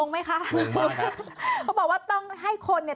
มึงไหมคะน่าเกิดบอกว่าต้องให้คนเนี่ย